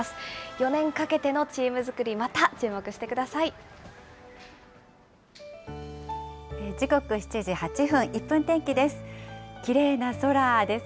４年かけてのチーム作り、また注時刻７時８分、１分天気です。